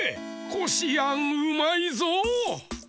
こしあんうまいぞ。